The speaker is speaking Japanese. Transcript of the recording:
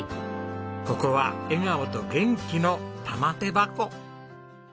ここは笑顔と元気の玉手箱。